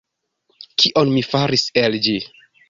Kion mi faris el ĝi?